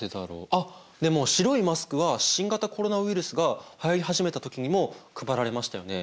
あっでも白いマスクは新型コロナウイルスがはやり始めた時にも配られましたよね。